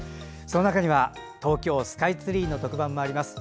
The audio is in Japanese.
その中には、東京スカイツリーの特番もあります。